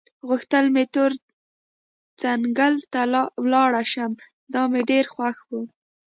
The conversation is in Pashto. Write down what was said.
غوښتل مې تور ځنګله ته ولاړ شم، دا مې ډېره خوښه وه.